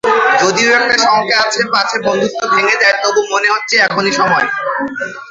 যদিও একটা শঙ্কা আছে পাছে বন্ধুত্ব ভেঙে যায়, তবু মনে হচ্ছে এখনই সময়।